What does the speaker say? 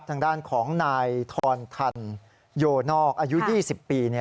ทางด้านของนายทรทันโยนอกอายุ๒๐ปี